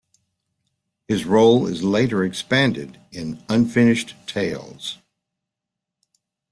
His role is later expanded in "Unfinished Tales".